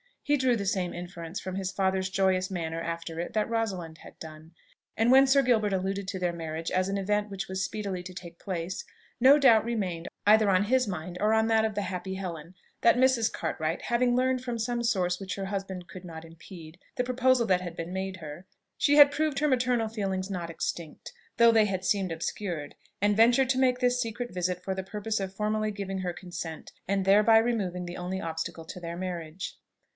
He drew the same inference from his father's joyous manner after it that Rosalind had done; and when Sir Gilbert alluded to their marriage as an event which was speedily to take place, no doubt remained either on his mind, or on that of the happy Helen, that Mrs. Cartwright, having learned, from some source which her husband could not impede, the proposal that had been made her, she had proved her maternal feelings not extinct, though they had seemed obscured, and ventured to make this secret visit for the purpose of formally giving her consent, and thereby removing the only obstacle to their marriage.